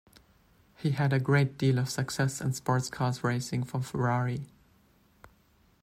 He had a great deal of success in Sports Cars racing for Ferrari.